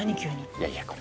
いやいやこれ。